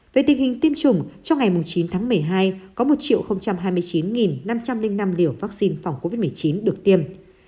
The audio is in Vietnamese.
về tình hình tiêm chủng trong ngày chín tháng một mươi hai có một hai mươi chín năm trăm linh năm liều vaccine phòng covid một mươi chín được tiêm